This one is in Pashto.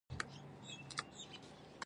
انسان ضعیف کیږي او ترحم پکې پیدا کیږي